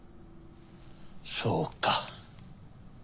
そうか。